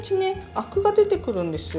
アクが出てくるんですよ。